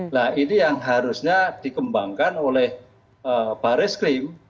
nah ini yang harusnya dikembangkan oleh baris krim